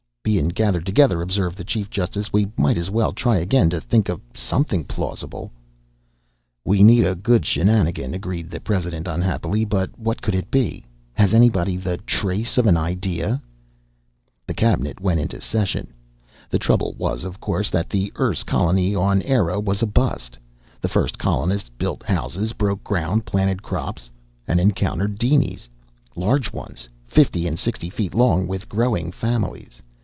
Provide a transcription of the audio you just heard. "Bein' gathered together," observed the chief justice, "we might as well try again to think of somethin' plausible." "We need a good shenanigan," agreed the president unhappily. "But what could it be? Has anybody the trace of an idea?" The cabinet went into session. The trouble was, of course, that the Erse colony on Eire was a bust. The first colonists built houses, broke ground, planted crops and encountered dinies. Large ones, fifty and sixty feet long, with growing families.